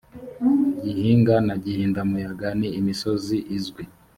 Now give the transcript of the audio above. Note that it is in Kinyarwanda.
gihinga na gihindamuyaga ni imisozi izwi